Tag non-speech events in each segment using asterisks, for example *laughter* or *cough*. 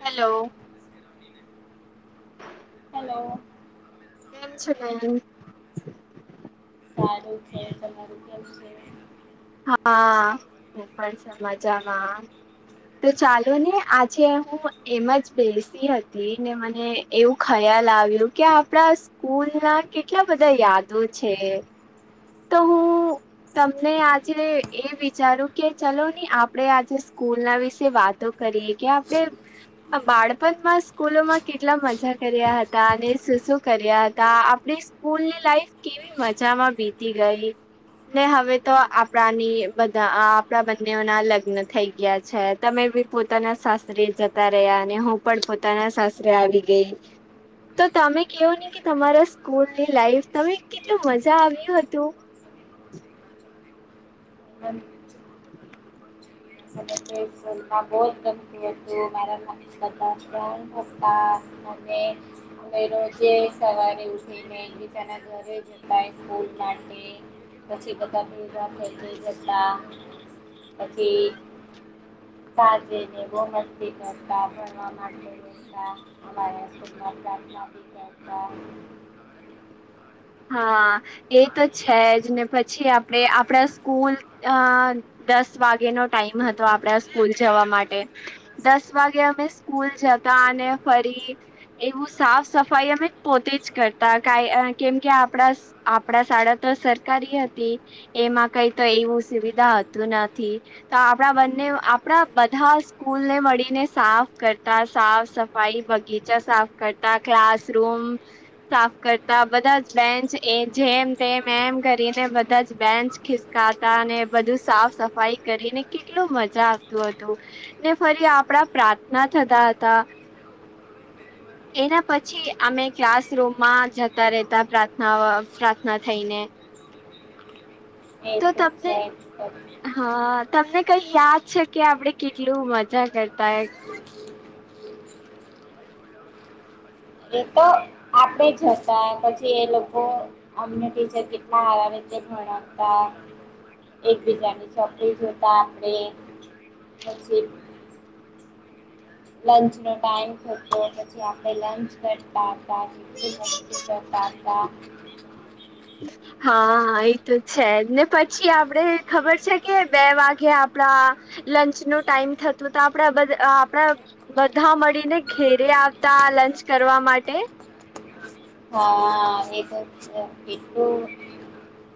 Hello hello કેમ છે સારું છે તમારું કેમ છે હા એ પણ છે મજામા તો ચાલો ને આજે હું એમા જ બેસી હતી ને મને એવું ખયા લ આવ્યું કે આપડા સ્કૂલ ના કેટલા બધા યાદો છે તો હું તમને આજે એ વિચાર્યું કે ચલો ની આપડે આજે સ્કૂલ ના વિશે વાત કે આપણે બાળપણમાં સ્કૂલોમાં કેટલા મજા કર્યા હતા અને શું કર્યા હતા આપણી સ્કૂલની લાઈફ કેવી મજામાં બીતી ગઈ ને હવે તો આપણાની બધા આપણા બંને ના લગ્ન થઈ ગયા છે તમે પોતાના શસ્તરે જતા રહ્યા અને હું પણ પોતાના શસ્રે આવી ગઈ તો તમે કેવો નને કે તમારા સ્કૂલની લાઈફ તમે કેટલું મજા આવ હતી તો *inaudible* બોતા હ રોજે સવારે ઉઠીને બીજાના ઘરે જતા સ્કૂલ માટે પછી બધા જતા પછી *inaudible* સાજેને બહમસ્તી કરતા ભણવા માટેતા અમા *inaudible* *inaudible* હા એ તો છે જ ને પછી આપણે આપણા સ્કૂલ અ દસ વાગ નો ટાઈમ હતો આપડા સ્કૂલ જવા માટે દસ વાગે અમે સ્કૂલ જતા અને ફરી એવું સાફ સફાઈ અમે પોતે જ કરતા ક કેમ કે આપણા આપણા શાળા તો સરકારી હતી એમાં કઈ તો એવું સુવિધા આપણા બંને આપણા બધા સ્કૂલને મળીને સાફ કરતા સાફ સફાઈ બગીચા સાફ કરતા ક્લાસરૂૂમ સાફ કરતા બધા જ બેન્ચ એ જેમ તેમ એમ કરીને બધા જ બેન્ચ ખીસકાતા અને સાફ સફાઈ કરીને કેટલું મજા આવતું હતું ને ફરી આપણા પ્રાર્થના થ તા તા એના પછી અમે ક્લાસરૂૂમમાં જતા રહેતા પ્રાર્થના પ્રાર્થના થઈને એ તો તમને છે પછી હા તમને કઈ યાદ છે કે આપડે કેટલું મજા કરતાય એ તો આપડે જ હતા પછી એ લોકો કેટલા ભતા એક બીજની ચોકલી જોતા આપણે પછી *inaudible* લંચ નો ટાઈમ થ પછી આપ લચ કરતા જકી મસ્તી કરતા હતા હા એ તો છે ને પછી આપડે ખબર છે કે બે વાગે આપ લંચ ન ટાઈમ થતું તો આપણે આપણે બધા મળીને ઘેરે આવતા લંચ કરવા માટે હા એ તો એટલું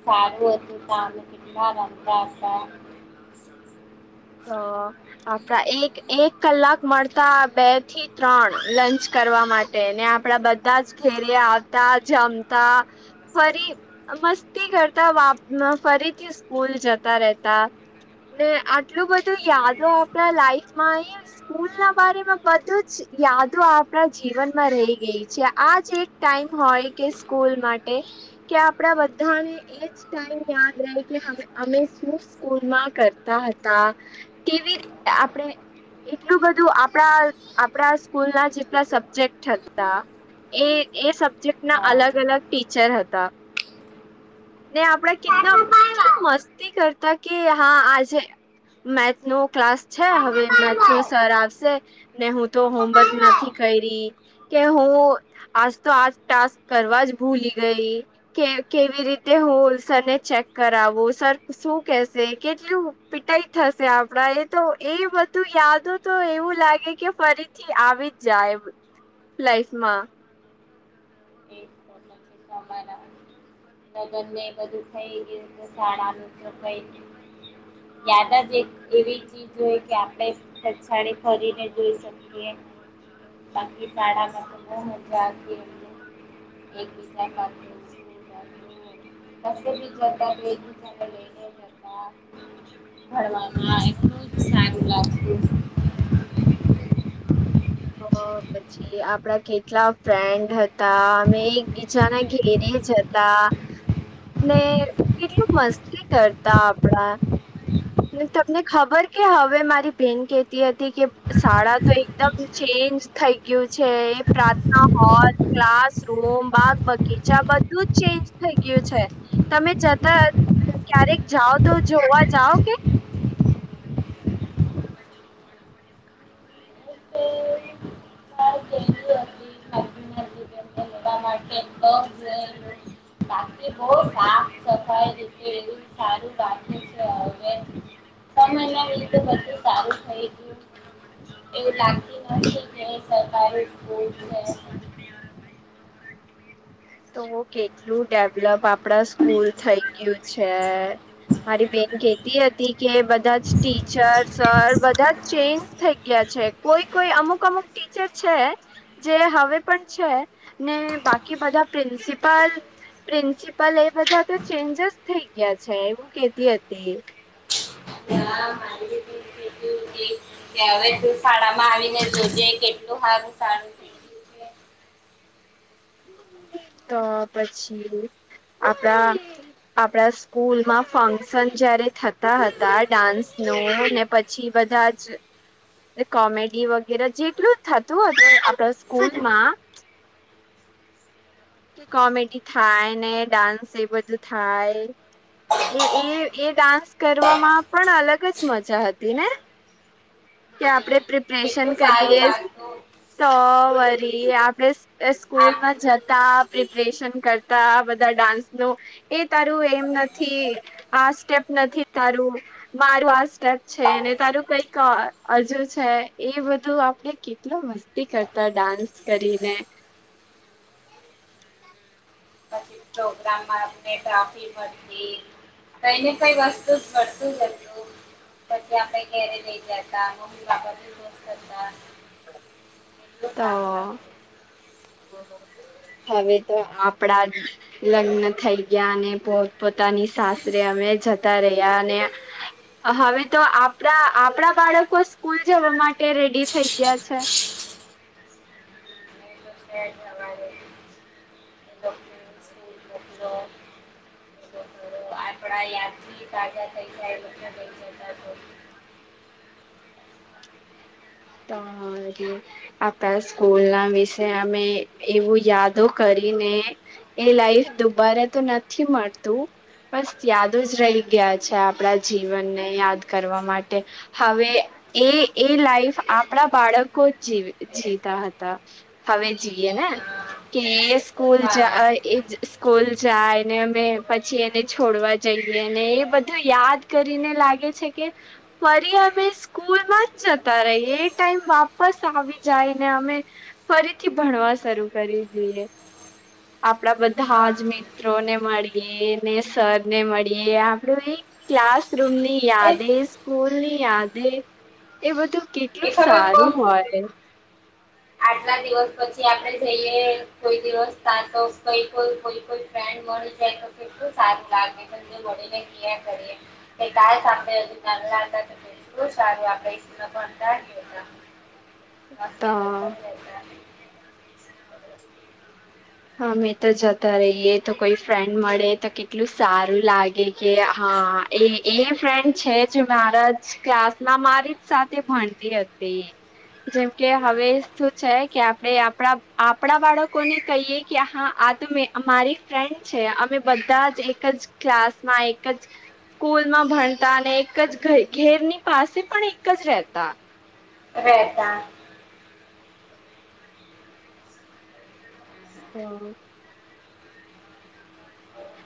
સારું હતું તમેા રમતા હતા તો આપ એક એક કલાક મળતા બે થી ત્રણ લંચ કરવા માટે ને આપડા બધા જ ઘેરે આવતા જમતા ફરી મસ્તી કરતા વાપ ફરીથી સ્કૂલ જતા રહેતા ને એટલું ટાટા બધું યાદો આપણા લાઈફમાં એ સ્કૂલ ના બમાં બધું જ યાદો આપ આપણા જીવનમાં રહી ગઈ છે આજ એક ટાઈમ હોય કે સ્કૂલ માટે કે આપણા બધાને એજ ટાઈમ યાદ રહે કે અમે શું સ્કૂલમાં કરતા હતા હા ટવી રીતે આપણે એટલું બધું આપણા આપણા સ્કૂલ ના જેટલા સબ્જેક્ટ હતા એ એ સબ્જેક્ટ ના અલગ અલગ ટીચર હતા ને આપડા બાય કેટલા બાય કેટલી મસ્તી કરતા કે હા આજે મેથસ નો ક્લાસ છે હવે ટાટા બાય મેથસ બાય નો સર આવશે ને હું તો ટાટા હોમવર્ક બાય બાય નથી કરી કે હું આજ તો આજ ટાસ્ક કરવા જ ભૂલી ગઈ કે કેવી રીતે તે હોલ સર ને ચેક કરાવો સર શું કેશે કેટલું પીટાઈ થશે આપણા તો એ બધું યાદો તો એવું લાગે કે ફરીથી આવી જ જાય લાઈફ માં *inaudible* બંને એ બધું થઈ ગયું શાળાનું કઈ યાદ જ એક એવી ચીજ હોય કે આપણે કછાડી કરીને જોઈ શકીએ *inaudible* બાકી શાળામાં *unintelligible* *unintelligible* ભણવામાં એટલું જ સારું લાગતું પછી આપડા કેટલા ફ્રેન્ડ હતા અમે એક બીજાના ઘેરે જતા ને કેટલું મસ્તી કરતા આપણા તમને ખબર કે હવે મારી બેેન કેહેતી હતી કે શાળા તો એકદમ છે ચેન્જ થઈ ગયું છે પ્રાર્થના હોલ ક્લાસ રૂંમ બાગ બગીચા બધું બધુ ચેન્જ થઈ ગયું છે તમે જતા ક્યારેક જાઓ તો જોવા જાવ કે એવુ સારું બાકી છે હવે બધું સારું થઈ ગયુ એવું લાગતી નથી કે સરકારી સ્કૂલ છે તો કેટલું ડેવલપ આપડા સ્કૂલ થઇ ગયું છે મારી બેન કેતી હતી કે બધા જ ટીચર સર બધા જ ચેન્જ થઈ ગયા કોઈ કોઈ અમુક અમુક ટીચર છે જે હવે પણ છે ને બાકી બધા પ્રિન્સિપલ પ્રિન્સિપલ એ બધા તો ચેન્જસ થઈ ગયા છે એવું કેતી હતી તે ત્યાં ત્યારે તુ શાળામાં આવીને જોજે કેટલું સારું સારું થઈ ગયું છે તો પછી આપડા આપણા સ્કૂલમાં ફંક્શન જયારે થતા હતા ડાન્સ નું પછી બંધા જ કોમેડી વગેરે જેટલું જ થતું હતું આપણા સ્કૂલમાં કે કોમેડી થાય ને ડાન્સ એ બધું થાય એ એ એ ડાન્સ કરવામાં પણ અલગ જ મજા હતી ને કે છે હમ આપણેે પ્રિપરેેશન કેટલું સારું કરીએે લાગતું તો આપણેે આપ સ્કૂલમાં જતા પ્રિપરેશન કરતા બધા ડાન્સ નો એ તારું એમ નથી આ સ્ટેપ નથી તારું મારું આ સ્ટેપ છે. અને તારું કઈક હજુ છે એ બધું આપણે કેટલા મસ્તી કરતા ડાન્સ કરીને *inaudible* પછી પ્રોગ્રામમાં ટ્રોફી મળતી કઈ ને કઈ વસ્તુ જ મળ *unintelligible* પછી આપણે ઘેરે લઈ જ હતા મમ્મી પપ્પા બહૂ ખુંસ થતા એટલું તો સારું લાગતું હવે તો આપણા જ લગ્ન થઈ ગયા અને પો પોતાની સાસરે હવે જતા રહ્યા અને હવે તો આપણા આપણા બાળકો સ્કૂલ જવા માટે રેડી થઈ ગયા છે. એ તો છે જ હવારે એ લોકોને સ્કૂલ મોકલો એ લોકો આપણા યાદથી તાજા થઈ જાય *unintelligible* જતા તોબી આપણા સ્કૂલના વિશે અમે એવું યાદો કરી એ મે એ લાઈફ દુબારા તો નથી મળતું બસ યાદ જ રહી ગયા છે આપણા જીવનને યાદ કરવા માટે હવે એ એ લાઈફ આપણા બાળકો જ જીતા હતા હવે જીએ ને હા કે સ્કૂલ જા હા આ એજ સ્કૂલ જાય ને અમે પછી એને છોડવા જઈએ ને એ બધું યાદ કરીને લાગે છે કે ફરી અમે સ્કૂલમાં જ જતા રહીએ એ ટાઈમ વાપસ આવી જાયને અમે ફરીથી ભણવા શરૂ કરી દઈએ આપણા બધા હા જ મિત્રોને મળીએ ને સર ને મળીએ આપડું એ ક્લાસરૂમની એ યાદે સ્કૂલ ની યાદે એ બધું એ કેટલું ખબર સારું હોય આટલા દિવસ પછી આપડે જઈએ કોઈ દિવસ *unintelligible* કોઈ કોઈ ફ્રેડ કેટલુ સારું લાગે વડીને ગીયા કરીએ *unintelligible* *unintelligible* સારું હા કરતા જ હામે તો જતા રહીએ તો કોઈ ફ્રેન્ડ મળે તો કેટલું સારું લાગે કે હા હા એ એ ફ્રેન્ડ છે જે મારા ક્લાસમાં મારી જ સાથે ભણતી હતી જેમ કે હવે શું છે કે આપડે આપણા આપણા બાળકો ને કહીએ કે હા આ તો મે મારી ફ્રેન્ડ છે અમે બધા જ એક જ ક્લાસમાં એક જ સ્કૂલમાં ભણતા અને એક જ ઘેરની પાસે પણ એક જ રેતા રેતા હા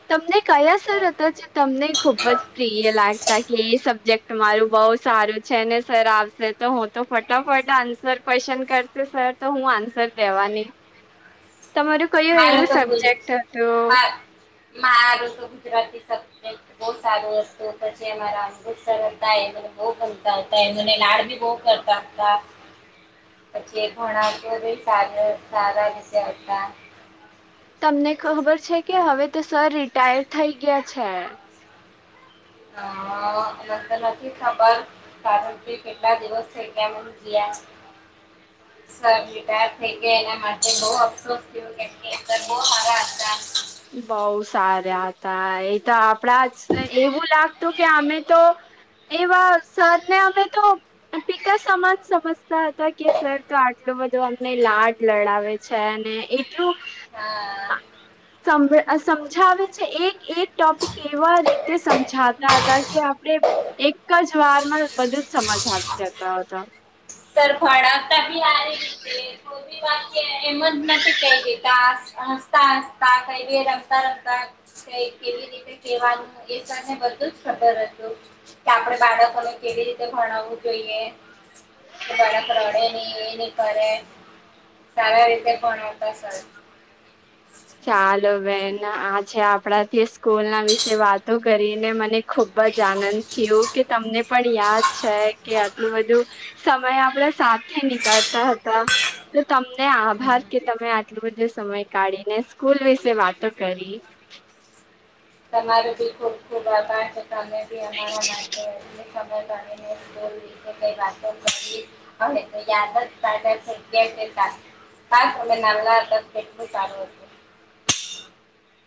તમને કયા સર હતા જે તમને ખુબ જ પ્રિય લાગતા કે એ સબ્જેક્ટ તમારું બહુ સારું છે ને સર આવશે તો હું તો ફટાફટ આન્સર ક્વેશ્ચન કરશે સર તો હું આન્સર કેવાની તમારું કયું મારું એવું તો ગુલ સબજેક્ટ હતું મા મારું તો ગુજરાતી સબ્જેક્ટ બહુ સારું હતુ તે મારા અંકુર સર એ બો ગમતા હતા એ મને લાડ ભી બો કરતા હતા પછી ઘણા તો સારા વિશે હતા તમને ખબર છે કે હવે તો સર રિટાયર થઈ ગયા છે. હ એને તો નથી ખબર કારણ કે કેટલા દિવસ થય કે ગયા *inaudible* સર રિટાયર થઈ ગયા એના માટે બહ અફસોસ થયો કે સર બોવ સાર હતા બઉ સારા હતા એ તો આપડા જ એવું લાગતું કે અમે તો એવા સર ને અમે તો પિતા સમાજ સમજતા હતા કે સર તો આટલો એલું બધું અમને લાડ લડાવે છે અને એટલું હા સમજાવે છે એક એક ટોપિક એવા રીતે સમજાતા હતા કે આપણે એક જ વારમાં બધું જ સમજ આવી જતા હતો સર ભણતા બી આવેલી છે કોી વા એમ જ નથી કઈ રતા હસતા હસતા કઈ રમતા રમતા ક કેવી રીતે કેવાનું એને ખર હતું કે આપણે બાળકોને કેવી રીતે ભણવું જોઈએ એ કે બાળક રડે નહી એ નહી સારા રીતે પણ આવતા સર ચાલો બેન આ છે આપણા થી સ્કૂલ ના વિશે વાતો કરીને મને ને ખુબ જ આનંદ થયું કે તમને પણ યાદ છે કે આટલું બધું સમય આપડા સાથે નીકળતા હતા તો તમને હમ આભાર કે તમે આટલોું બધો સમય કાઢીને સ્કૂલ વિશે વાતો કરી તમારો બી ખુબ ખુબ આભાર છે તમે બી અમારા માટે રી યાદગ્યા કટલું સારું હતું *inaudible*